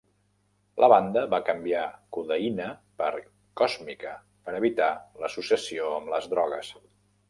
La banda va canviar "codeïna" per "còsmica" per evitar l'associació amb les drogues.